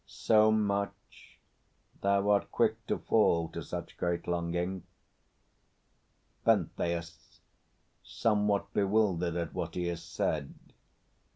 So much? Thou art quick to fall To such great longing. PENTHEUS (somewhat bewildered at what he has said).